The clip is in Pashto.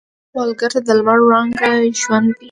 سوالګر ته د لمر وړانګه ژوند ده